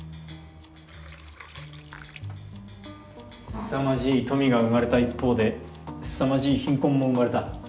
凄まじい富が生まれた一方で凄まじい貧困も生まれた。